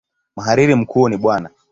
Mhariri mkuu ni Bw.